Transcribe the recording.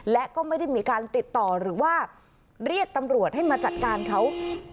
และก็ไม่ได้มีการติดต่อหรือว่าเรียกตำรวจให้มาจัดการเขา